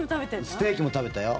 ステーキも食べたよ。